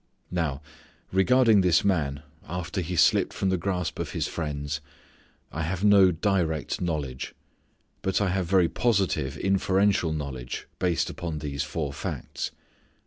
Now regarding this man after he slipped from the grasp of his friends, I have no direct knowledge. But I have very positive inferential knowledge based upon these four facts.